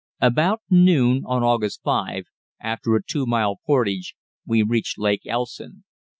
About noon on August 5, after a two mile portage, we reached Lake Elson.